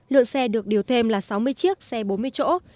lượng xe được điều thêm là sáu mươi chiếc xe bốn mươi chỗ